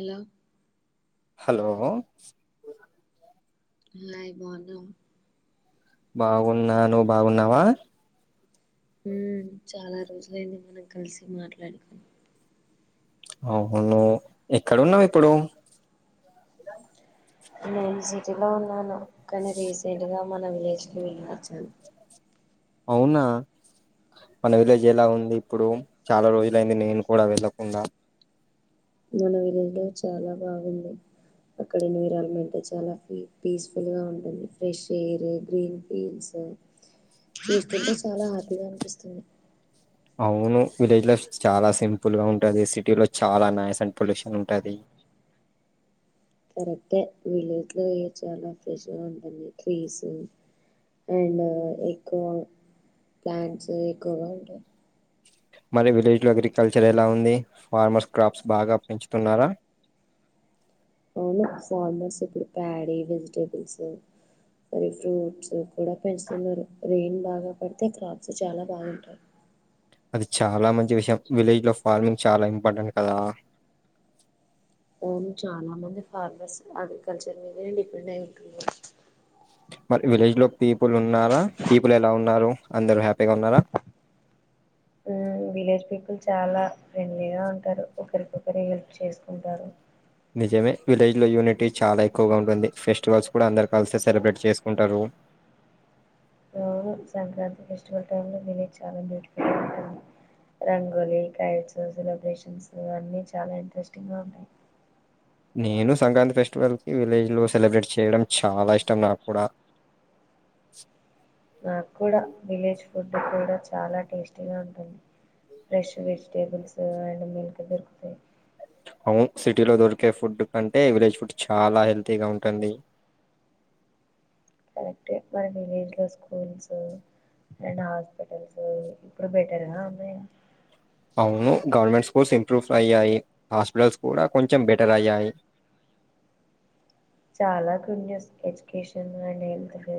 ఎలా హలో [inaudible] బాగుందా బాగున్నా నువ్ బాగున్నావా? మ్ చాలా రోజులైంది మిమ్మల్ని కలిసి మాట్లాడి అవును ఎక్కడ ఉన్నావు ఇప్పుడు నేను సిటీ లో ఉన్నాను కానీ రీసెంట్ గా మన విలేజ్కి వెళ్ళొచ్చాను అవునా మన విలేజ్ ఎలా ఉంది ఇప్పుడు చాలా రోజులయింది నేను కూడా వెళ్ళకుండా మన విలేజ్ లో చాలా బాగుంది అక్కడ ఎన్విరాన్మెంట్ చాలా పీస్ఫుల్ గా ఉంటుంది ఫ్రెష్ ఎయిర్ గ్రీన్ ఫీల్డ్స్ చూస్తుంటే చాలా హ్యాపీగా అనిపిస్తుంది అవును విలేజ్ చాలా సింపుల్ గా ఉంటుంది సిటీ లో చాలా నాయిస్ అండ్ పొల్యూషన్ ఉంటుంది కరెక్టే విలేజ్ లో అ చాలా ఫ్రెష్గా ఉంటాంది ట్రీస్ అండ్ ఎక్కువ ప్లాంట్స్ ఎక్కువగా ఉంటాయి మరి విలేజ్ లో అగ్రికల్చర్ ఎలా ఉంది ఫార్మర్స్ క్రాప్స్ బాగా పెంచుతున్నారా అవునా ఫార్మర్స్ ఇప్పుడు ప్యాడీ వెజిటబుల్స్ మరి ఫ్రూట్స్ కూడా పెంచుతున్నారు రెయిన్ బాగా పడితే క్రాప్స్ చాలా బాగుంటాయి అది చాలా మంచి విషయం విలేజ్ లో ఫార్మింగ్ చాలా ఇంపార్టెంట్ కదా ఆవును చాలా మంది ఫార్మర్స్ అగ్రికల్చర్ మీదనే డిపెండ్ అయి ఉంటుంది మరి విలేజ్ లో పీపుల్ ఉన్నారా పీపుల్ ఎలా ఉన్నారు అందరు హ్యాపీ విలేజ్ ప చాలా ఫ్రెండ్లీగా ఉంటారు ఒకరికొకరు హెల్ప్ చేసుకుంటారు నిజమే విలేజ్ లో యూనిటీ చాలా ఎక్కువగా ఉంటుంది ఫెస్టివల్స్ కూడా అందరు కలిసి సెలబ్రేట్ చేసుకుంటారు సంక్రాంతి ఫెస్టివల్ టై లో వలేజ్ చాలా బ్యూటిఫుల్గా ఉంటుంది రంగోలి కైడ్స్ సెలబ్రేషన్స్ అన్నీ చాలా ఇంట్రెస్టింగ్గా ఉంటాయి నేను సంక్రాంతి ఫెస్టివల్ కి విలేజ్ లో సెలబ్రేట్ చేయడం చాలా ఇష్టం నాకు కూడా నాకు కూడా విలేజ్ ఫుడ్ కూడా చాలా టేస్టీగా ఉంటుంది ఫ్రెష్ వెజిటేబుల్స్ అండ్ మిల్క్ దొరుకుతాయి అవును సిటీలో దొరికే ఫుడ్ కంటే విలేజ్ ఫుడ్ చాలా హెల్తీగా ఉంటుంది కరెక్ట్ మన విలేజ్ లో స్కూల్స్ రండ్ హాస్పిటల్స్ ఇప్పుడు బెటరా అ అవును గవర్నమెంట్ స్కూల్స్ ఇంప్రూవ్ అయ్యాయి హాస్పిటల్స్ కూడా కొంచెం బెటర్ అయ్యాయి చాలా గున్ని ఎడ్యుకేషన్తు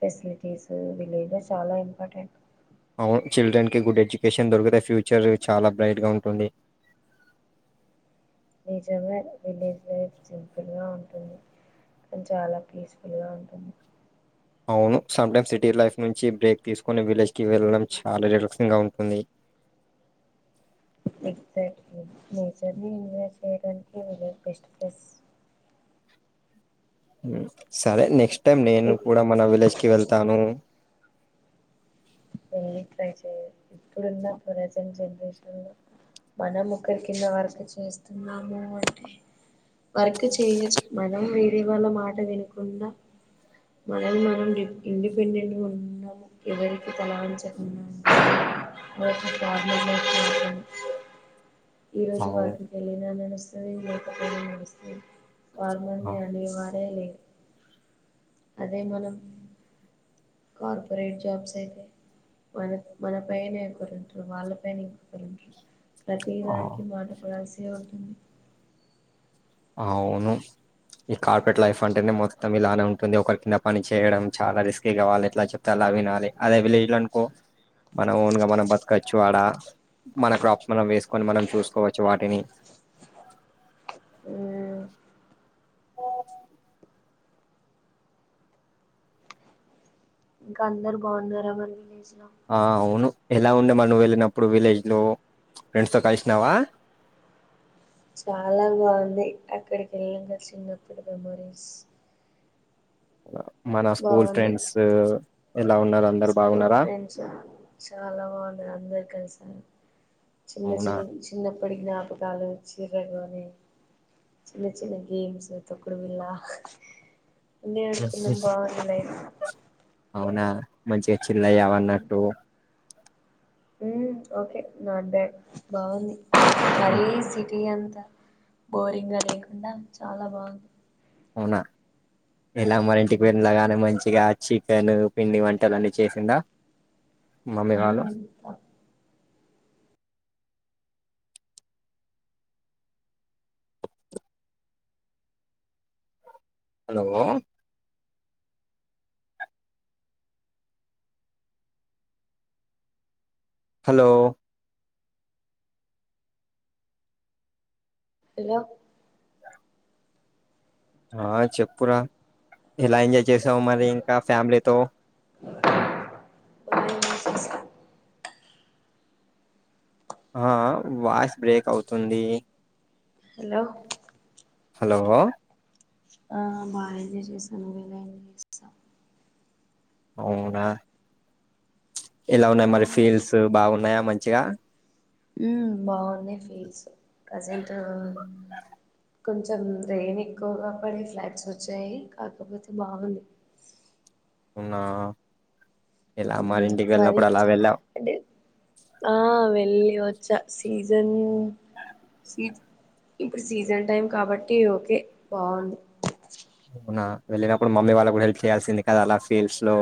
ఫెసిలిటీస్ విలేజ్ లో చాలా ఇంపార్టెంట్ అవును చిల్డ్రన్ కి గుడ్ ఎడ్యుకేషన్ దొరికుతే ఫ్యూచర్ చాలా బ్రైట్ గా ఉంటుంది నిజమే విలేజ్ లైఫ్ సింపుల్గా ఉంటుంది అని చాలా పీస్ఫుల్ గా ఉంటుంది అవును సమ్టైమ్స్ సిటీ లైఫ్ నుంచి బ్రేక్ తీసుకొని విలేజ్కి వెళ్ళడం చాలా రిలాక్సింగ్ గా ఉంటుంది ఎక్జాక్ట్లీ నేచర్ ని ఎన్ చేయడానికి బెస్ట్ ఫస్ సరే నెక్స్ట్ టైమ్ నేను ఇఫ్ కూడా మన విలేజ్ కి వెళ్తాను ఏ ట్రై చెయదు ఇప్పుడున్న ప్రజెంట్ జనరేషన్ లో మన ముక్కరి కింద వర్క్ చేస్తున్నాము అంటే వర్క్ మనం వేరేపోళ్ల మా వినకుండా మనం మనం ఇండిపెండెంట్ గా ఉన్నాము ఎవరికి తలవంచకుండా [unintelligible] ఈ రోజు అవును వాటికి వెళ్ళినా నడుస్తుంది వెళ్లకపోయినా నడుస్తుంది ఫార్మర్ ఆ నీ అనే వారే లేరు అదే మనం కార్పొరేట్ జాబ్స్ అయితే మన మన పైనో క్కరు వాళ్ళ పైన ఇంకొకరు ప్రతి దారికి ఆ మాట పడాల్సి ఉంటుంది అవును ఈ కార్పొరేట్ లైఫ్ అంటేనే మొత్తం ఇలానే ఉంటుంది ఒకరికి ఇన్న పని చేయడం చాలా రిస్కిగా వాళ్లు ఎట్లా ఎట్లా చెప్తే అలా వినాలి అదే విలేజ్ లో అనుకో మనం ఓన్ గా మనం బతకచ్చు వాడ మన క్రాప్స్ మనం వేసుకొని మనం చూసుకోవచ్చు వాటిని అ [inaudible] ఇంకా అందరు బాగున్నారా మనసి ఆ అవును ఎలా ఉండే మనం వెళ్ళినప్పుడు విలేజ్ లో ఫ్రెండ్స్ తో కలిసినావా చాలా బాగుంది అక్కడికి వెళ్ళాక చిన్నప్పుడు మెమోరీస్ మన స్కూల్ బాగుంది ఫ్రెండ్స్ ఎలా ఉన్నారు అందరు స్కూల్ బాగున్నారా ఫ్రెండ్స్ చాలా బాగున్నారు అందరు కలిసారు చిన్న అవునా చిన్న చిన్నప్పటి జ్ఞాపకాలు చీర్రలోని చిన్న చిన్న గేమ్స్ తొక్కుడు బిల్ల ఏడుకొండ బాగుంది లైఫ్ అవునా మంచిగా చిల్లయవన్నట్టు ఓకే నాటు బ్యాడ్ బాగుంది మళ్ళి సిటీ అంతా బోరింగ్ గా లేకుండా చాలా బాగుంది అవునా ఎలా మరి ఇంటికి వెళ్లగానే మంచిగా చికెన్ పిండి వంటలు అన్నీ చేసిందా మమ్మీ వాళ్ళు మ్ హలో హలో హలో ఆ చెప్పురా ఎలా ఎంజాయ్ చేసావు మరి ఇంకా ఫ్యామిలీతో బాగా ఎంజాయ్ చేశా ఆ ఆ వాయిస్ బ్రేక్ అవుతుంది హలో హలో ఆ బాగా ఎంజాయ్ చేశాను నువ్వు ఎలా ఎంజాయ్ చేసావ్ అవునా ఎలా ఉన్నాయి మరి ఫీల్స్ బాగున్నాయా మంచిగా మ్ బాగున్నాయి ఫీల్స్ ప్రజెంట్ కొంచెం రెయిన్ ఎక్కువగా పడే ఫ్లాట్స్ వచ్చాయి కాకపోతే బాగుంది [inaudible] ఉన్నా మరి అంటే ఆ వెళ్లి వచ్చ సీజన్ సీజ ఇప్పుడు సీజన్ టైమ్ కాబట్టి ఓకే బాగుంది అవునా వెళ్ళినప్పుడు మమ్మీ వాళ్ళ కూడా హెల్ప్ చేయాల్సింది కదా అలా ఫీల్డ్స్ లో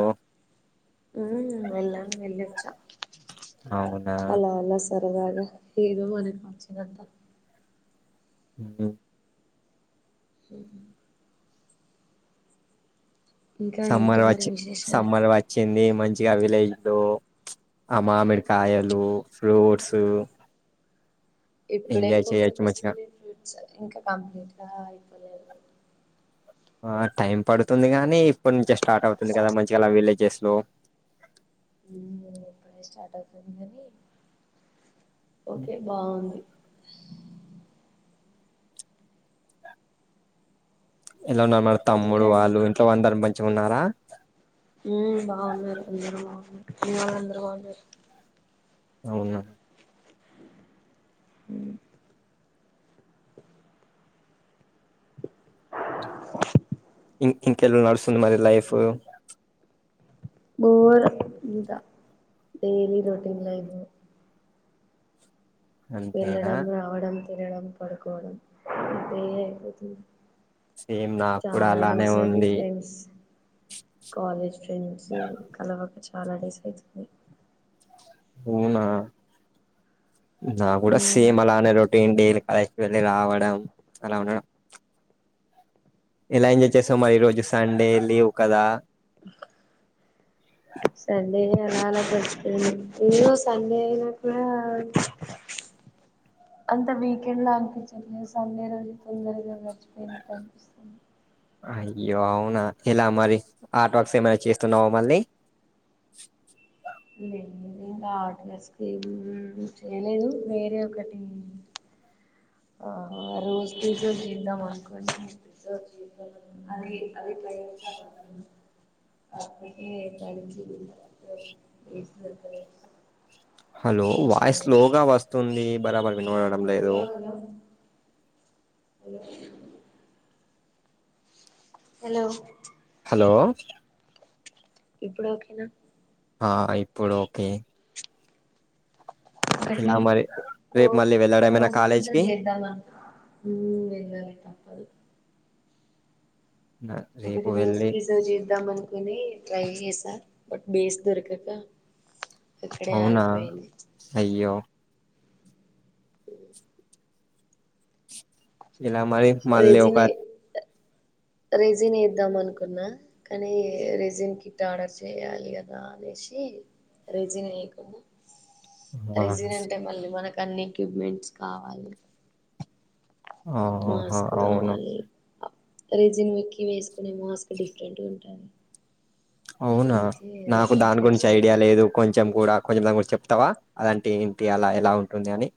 మ్ వెళ్ళ వచ్చా అవునా అలా అ సరదాగా ఏదో మనకుచ్చినంతా మ్ [unintelligible] ఇంకా ఏంటి సమ్మర్ మరి వచ్చి విశేషాలు సమ్మర్ వచ్చింది మంచిగా విలేజ్ లో ఆ మామిడికాయలు ఫ్రూట్స్ ఇప్పుడే ఎంజాయ్ పూతక చేయొచ్చు మంచిగా వస్తుంది ఫ్రూట్ ఇంకా కంప్లీట్ గా అయిపోలేదు ఆ టైం పడుతుంది గాని ఇప్పడు నుంచే స్టార్ట్ అవుతుంది కదా మంచిగాలా విలేజ చే హలో ఇప్పుడే స్టార్ట్ అవుతుంది కాని ఓకే బాగుంది ఎలా ఉన్నారు మన తమ్ముడు ఇంకా వాళ్ళు ఇంట్లో అందరు మంచిగా ఉన్నారా ఉమ్ బాగున్నారు అందరు బాగున్నారు ఇ అందరూ బాగున్నారు అవునా అ ఇం ఇంకెళ నడుస్తుంది మరి లైఫ్ బోర్ అంతా డైలీ రొటీన్ లైఫ్ అంతేనా వెళ్ళడం రావడం తినడం పడుకోవడం అంతే అయిపోతుంది. సేమ్ నాకు కూడా చాలా అలానే డేస్ అయిది ఉంది ఫ్రెండ్స్ కాలేజ్ ఫ్రెండ్స్ కలవక చాలా డేస్ అయితుంది అవునా నా కూడా సేమ్ అలానే రొటీన్ డైలీ కాలేజ్ కి వెళ్ళ రావడం అలా ఉండడం ఎలా ఎంజాయ్ చేసావు మరి ఈ రోజు సండే లీవ్ కదా సండే చాలా గడిచిపోయింది ఏదో సండే అయినాకుడ అంత వీకెండ్ లోలా అనిపించట్లేదు సండే రోజు తొందరగా గడిచిపోయినట్టు అనిపిస్తుంది. అయ్యో అవునా ఇలా మరి ఆట్ వర్క్స్ ఏమైనా చేస్తున్నావా మళ్ళీ లేం ఆటీఆ స్కీమ్ చేయలేదు వేరే ఒకటి ఆ రోస్ పీసెస్ తిందామనుకుంటే అని అదట్లా ఏ అవి [inaudible] హలో వాయిస్ లోగా వస్తుంది బరాబరి వినవడడం లేదు అలో హలో హలో ఇప్పుడు ఒకకేనా ఆ ఇప్పుడు ఓకే ఎలా మరి రేపు రోస్ మళ్ళీ వెళ్ళడమేనా రోస్ ప్రన్సల్ కాలేజ్కి చేద్దాం అను వెలది తప్పదు ఒకటి రేపు రోజు వెళ్ళి ప్రిసర్వ్ చేద్దాం అనుకుని ట్రై చేసా బట్ బేస్ దొరకక అక్కడే అవునా ఆగిపోయింది అయ్యో ఇలా మరి మల్ లే ఒక రెజిన్ రెజిన్ వేద్దాం అనుకున్నా కానీ రెజిన్ కిట్ ఆర్డర్ చేయాలి కదా అ అని చెప్పేసి రేజినివేయాకున్నా ఆ! రిజన్ అంటే మళ్ళీ మనకు అన్ని ఎక్విప్మెంట్స్ కావాలి ఆహా మాస్క్ అవును కావాలి రిజిన్ ఎక్కి వేసుకునే మాస్క్ డిఫరెంట్గా ఉంటుంది అవునా నాకు దాని ట్రై గురించి ఐడియా చేయలేదు లేదు కొంచెం కూడా కొంచెం చెప్ తవా అలాంటి ఇంటి అలా ఎలా ఉంటుంది అని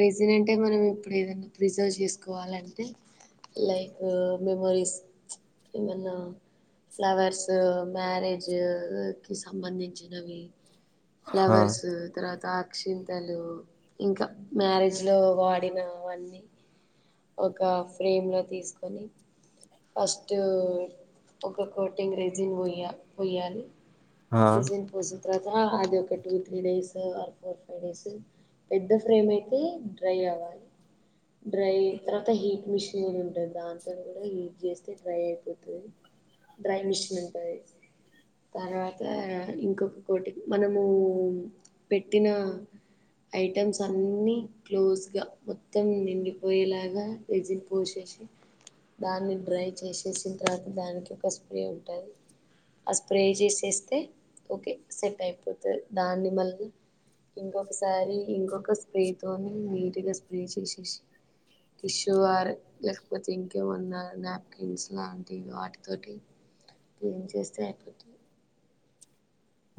రేజీన్ అంటే మనం ఇప్పుడు ఏదైనా ప్రిజర్వ్ చేసుకోవాలంటే లైక్ మెమొరీస్ ఏమన్నా ఫ్లవర్స్ మ్యారేజ్ కి సంబంధించినవి ఆ! ఫ్లవర్స్ తర్వాత అక్షింతలు ఇంకా మ్యారేజ్ లో వాడినవన్నీ ఒక ఫ్రేమ్ లో తీసుకొని ఫస్ట్ ఒక్క కోటింగ్ ఇంగ్రేజీని పోయ్య పోయాలి ఆ! విజన్ పజు త తర్వా అది ఒక two three days four five days పెద్ద ఫ్రేమ్ అయి అదే డ్రై అవాలి డ్రై తర్వాత హీట్ మిషన్ ఉంటుంది దాంతో కూడా హీట్ చేస్తే డ్రై అయిపోతుంది డ్రై మిషన్ ఉంటయి తర్వాత ఇంకొక కోటి మనము పెట్టిన ఐటెమ్స్ అన్ని క్లోజ్గా మొత్తం నిండిపోయేలాగా వెజ్ ని పోసేసి దాన్ని డ్రై చేసేసిన తర్వాత దానికి ఒక స్ప్రే ఉంటాది ఆ స్ప్రే చేసేస్తే ఓకే సెట్ అయిపోతది దాన్ని మళ్ ఇంకొకసారి ఇంకొక స్ప్రే తోని నీట్గా స్ప్రే చేసేసి టిష్యూ ఆర్ లేకపోతే ఇంకేమన్నా నాప్కిన్స్ లాంటివి వాటితోటి ఏం చేస్తే అయిపోతు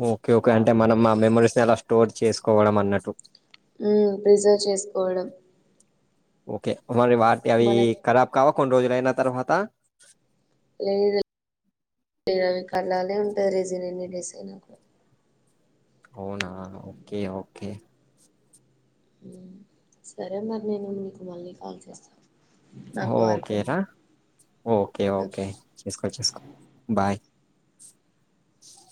ఓకే ఓకే అంటే మనం మా మెమరీస్ ని ఎలా స్టోర్ చేసుకోవడం అన్నట్టు ఊమ్ ప్రిజర్వ్ చేసుకోవడం ఓకే అరి వాటి అవి మనకు కరాబ్ కావా కొన్ని రోజులైనా తర్వాత లేద్ లే కలాలే ఉంటది రిజన్ ఎన్ని డిజైన్ అయినాకుడ అవునా ఓకే ఓకే సరే మరి నేను మీకు మళ్ళీ కాల్ చేస్తా ఓకేరా ఓకే ఓకే చేసుకో చేసుకో బాయ్